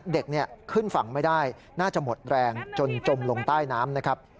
เด็กขึ้นฝั่งไม่ได้น่าจะหมดแรงจนจมลงใต้น้ำนะครับ